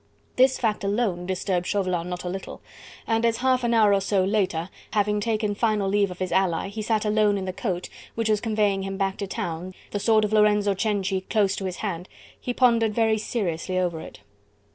This fact alone disturbed Chauvelin not a little, and as half an hour or so later, having taken final leave of his ally, he sat alone in the coach, which was conveying him back to town, the sword of Lorenzo Cenci close to his hand, he pondered very seriously over it.